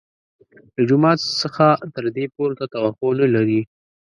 له جومات څخه تر دې پورته توقع نه لري.